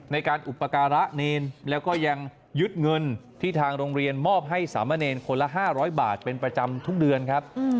ในการอุปการะเนรแล้วก็ยังยึดเงินที่ทางโรงเรียนมอบให้สามเณรคนละ๕๐๐บาทเป็นประจำทุกเดือนครับ